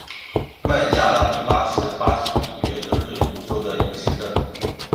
曼加拉蒂巴是巴西里约热内卢州的一个市镇。